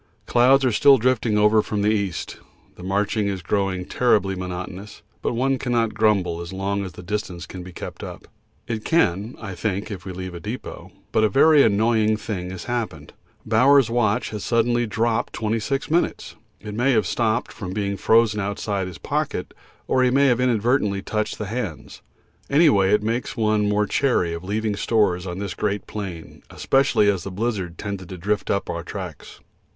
Clouds are still drifting over from the east. The marching is growing terribly monotonous, but one cannot grumble as long as the distance can be kept up. It can, I think, if we leave a depot, but a very annoying thing has happened. Bowers' watch has suddenly dropped 26 minutes; it may have stopped from being frozen outside his pocket, or he may have inadvertently touched the hands. Any way it makes one more chary of leaving stores on this great plain, especially as the blizzard tended to drift up our tracks.